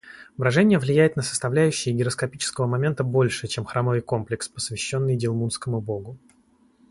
Брожение влияет на составляющие гироскопического момента больше, чем храмовый комплекс, посвященный дилмунскому богу